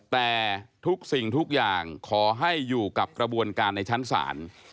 แต่ทุกสิ่งทุกอย่างขอให้อยู่กับกระบวนการในชั้นศาล